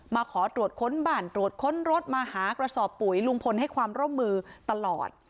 ขอตรวจค้นบ้านตรวจค้นรถมาหากระสอบปุ๋ยลุงพลให้ความร่วมมือตลอด